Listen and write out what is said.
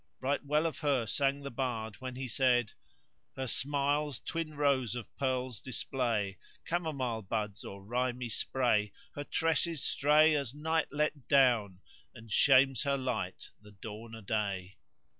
[FN#151] Right well of her sang the bard when he said:— Her smiles twin rows of pearls display * Chamomile buds or rimey spray Her tresses stray as night let down * And shames her light the dawn o' day.